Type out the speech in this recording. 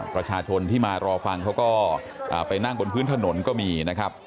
ประชาชนที่มารอฟังเขาก็ไปนั่งบนพื้นถนนก็มีนะครับ